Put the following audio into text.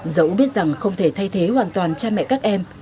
dẫu biết rằng không thể thay thế hoàn toàn cha mẹ các em